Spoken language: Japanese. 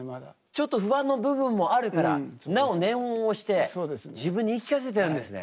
ちょっと不安な部分もあるからなお念を押して自分に言い聞かせてるんですね。